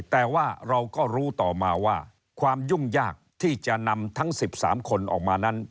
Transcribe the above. แต่ว่าเราก็รู้ต่อมาว่าความยุ่งยากที่จะนำทั้ง๑๓คนออกมานั้น